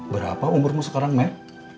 berapa umurmu sekarang mek